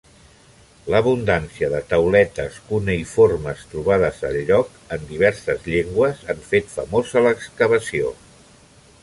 L'abundància de tauletes cuneïformes trobades al lloc, en diverses llengües, han fet famosa l'excavació.